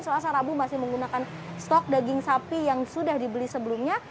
selasa rabu masih menggunakan stok daging sapi yang sudah dibeli sebelumnya